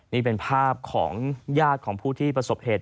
นี่เป็นภาพของญาติของผู้ที่ประสบเหตุ